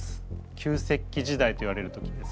旧石器時代といわれる時です。